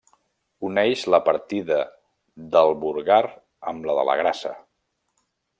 Uneix la partida del Burgar amb la de la Grassa.